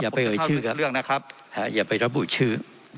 อย่าไปเอ่ยชื่อครับอย่าไปรับบุตรชื่อ